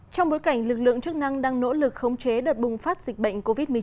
trong bối cảnh lực lượng chức năng đang nỗ lực khống chế đợt bùng phát dịch bệnh covid một mươi chín